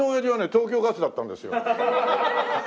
東京ガスだったんですよ。